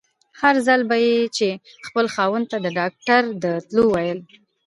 هر ځل به يې چې خپل خاوند ته د ډاکټر د تلو ويل.